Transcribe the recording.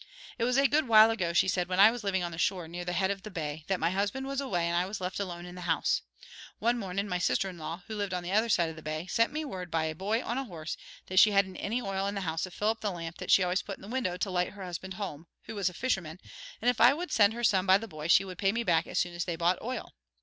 "It was a good while ago," she said, "when I was living on the shore near the head of the bay, that my husband was away and I was left alone in the house. One mornin' my sister in law, who lived on the other side of the bay, sent me word by a boy on a horse that she hadn't any oil in the house to fill the lamp that she always put in the window to light her husband home, who was a fisherman, and if I would send her some by the boy she would pay me back as soon as they bought oil.